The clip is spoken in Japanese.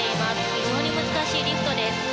非常に難しいリフトです。